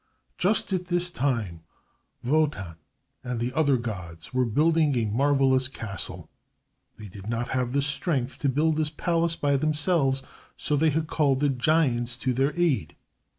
Just at this time Wotan and the other gods were building a marvellous castle. They did not have the strength to build this palace by themselves, so they had called the giants to their aid.